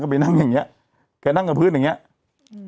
ไปนั่งอย่างเงี้ยแกนั่งกับพื้นอย่างเงี้ยอืม